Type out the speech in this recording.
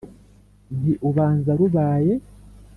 Nti: ubanza rubaye.